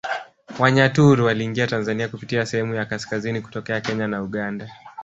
Wanyaturu waliingia Tanzania kupitia sehemu ya kaskazini kutokea Kenya na Uganda